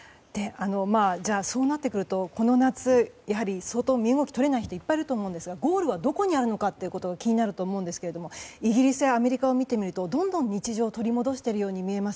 そうなってくるとこの夏やはり相当身動きが取れない人がいっぱいいると思うんですがゴールはどこにあるのかというのが気になると思うんですがイギリスやアメリカを見てみるとどんどん日常を取り戻しているように見えます。